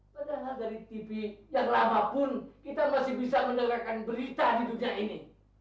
sedangkan dari tv yang lama pun kita masih bisa mendengarkan berita di dunia ini